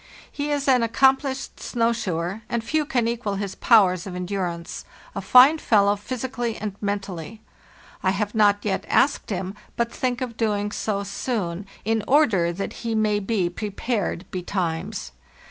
He is an accomplished snow shoer, and few can equal his powers of endurance—a fine fellow, physically and men tally. I have not yet asked him, but think of doing so soon, in order that he may be prepared betimes.